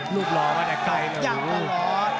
ลูกหล่อมาแต่ใกล้เลย